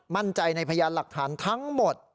มั่นใจในพยานหลักฐานทั้งหมด